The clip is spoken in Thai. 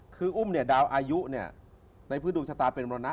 คืออุ้มเนี่ยดาวอายุเนี่ยในพื้นดวงชะตาเป็นมรณะ